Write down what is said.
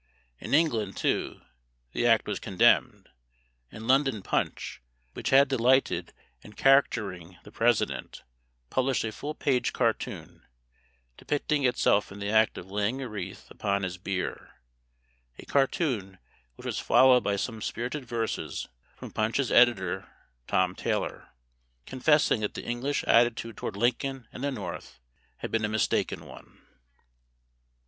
In England, too, the act was condemned, and London Punch, which had delighted in caricaturing the President, published a full page cartoon, depicting itself in the act of laying a wreath upon his bier a cartoon which was followed by some spirited verses from Punch's editor, Tom Taylor, confessing that the English attitude toward Lincoln and the North had been a mistaken one.